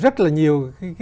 rất là nhiều